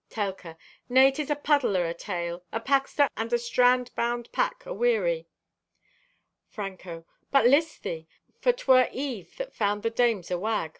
(Telka) "Nay, 'tis a puddle o' a tale—a packster and a strand bound pack, aweary." (Franco) "But list thee! For 'twere eve that found the dames awag.